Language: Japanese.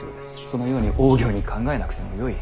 そのようにおおぎょうに考えなくてもよい。